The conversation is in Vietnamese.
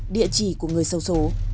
địa chỉ của người sâu số